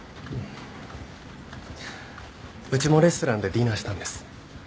うちもレストランでディナーしたんです。